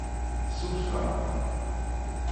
Tsuref-aɣ?